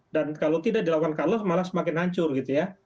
dan kalau tidak dilakukan cut loss malah semakin hancur gitu ya